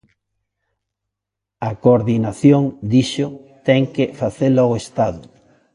A coordinación, dixo, ten que facela o Estado.